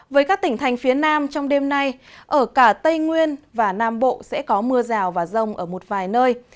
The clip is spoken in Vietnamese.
với các tỉnh thành phía nam trong đêm nay ở cả tây nguyên và nam bộ sẽ có mưa rào và rông ở một vài nơi